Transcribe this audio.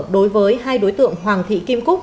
đối với hai đối tượng hoàng thị kim cúc